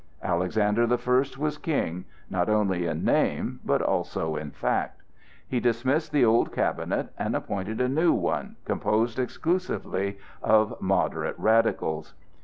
Alexander the First was King, not only in name, but also in fact. He dismissed the old cabinet, and appointed a new one, composed exclusively of moderate radicals.